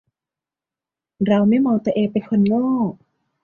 เราไม่มองตัวเองเป็นคนโง่